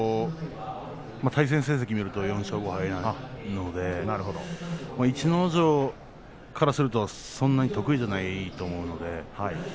対戦成績を見ると４勝５敗なので逸ノ城からするとそんなに得意じゃないと思うので。